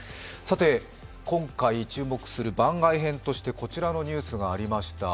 今回、注目する番外編としてこちらのニュースがありました。